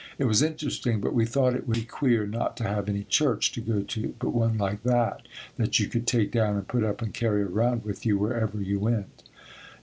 It was interesting but we thought it would be queer not to have any church to go to but one like that, that you could take down and put up and carry around with you wherever you went.